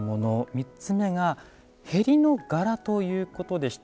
３つ目が縁の柄ということでした。